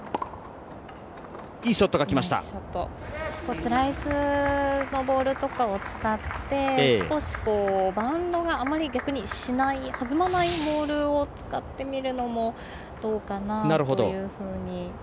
スライスのボールとかを使って少しバウンドがあまり逆にしない弾まないボールを使ってみるのもどうかなというふうに。